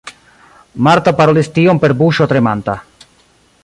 Marta parolis tion per buŝo tremanta.